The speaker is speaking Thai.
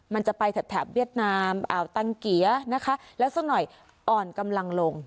มันจะไปแถบเวียดนามอ่าวตังเกียนะคะแล้วสักหน่อยอ่อนกำลังลง